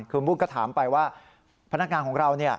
คือมุ่งก็ถามไปว่าพนักงานของเรา